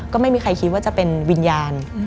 ก็ไม่มีใครคิดว่าจะเป็นวิญญาณ